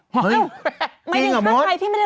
เฮ้ยไม่ได้ยังไฟพี่ไม่ได้รู้มองเลยเหรอ